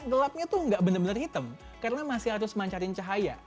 gelapnya tuh nggak bener bener hitam karena masih harus mancarin cahaya